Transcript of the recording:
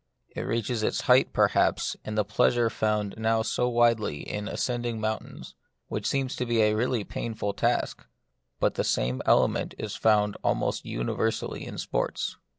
It reaches its height, perhaps, in the pleasure found now so widely in ascending mountains, which seems to be a really painful task ; but the same ele ment is found almost universally in sports.